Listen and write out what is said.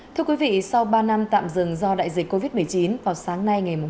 thưa quý vị sau ba năm tạm dừng do đại dịch covid một mươi chín vào sáng nay ngày một tháng tám